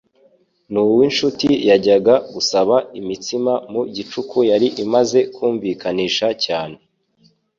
n'uw'inshuti yajyaga gusaba imitsima mu gicuku yari imaze kumvikanisha cyane